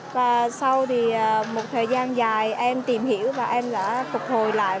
và sau thì một thời gian dài em tìm hiểu và em đã phục hồi lại